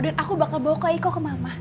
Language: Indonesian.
dan aku bakal bawa kak iko ke mama